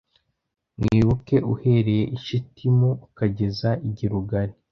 mwibuke uhereye i shitimu ukageza i gilugali